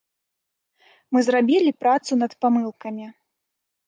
Мы зрабілі працу над памылкамі.